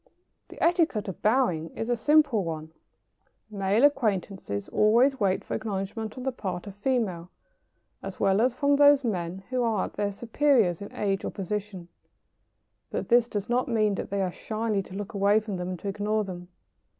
The etiquette of bowing is a simple one. [Sidenote: The right of acknowledgment rests with the lady.] Male acquaintances always wait for acknowledgement on the part of female, as well as from those men who are their superiors in age or position. But this does not mean that they are shyly to look away from them and to ignore them.